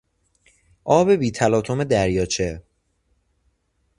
آب بی تلاطم دریاچه